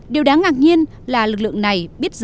điều đáng ngạc nhiên là lực lượng này biết rõ